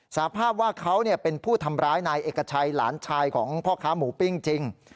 สาภาพว่าเขาเป็นผู้ทำร้ายนายเอกชัยหลานชายของพ่อค้าหมูปิ้งจริง